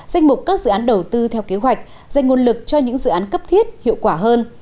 danh mục các dự án đầu tư theo kế hoạch dành nguồn lực cho những dự án cấp thiết hiệu quả hơn